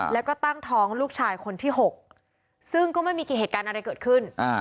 แล้วก็ตั้งท้องลูกชายคนที่๖ซึ่งก็ไม่มีกี่เหตุการณ์อะไรเกิดขึ้น